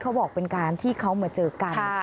เขาบอกเป็นการที่เขามาเจอกัน